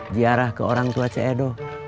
jiarah ke orang tua ceedo